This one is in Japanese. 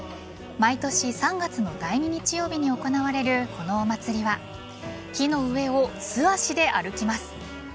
毎年、３月の第２日曜日に行われる、このお祭りは火の上を素足で歩きます。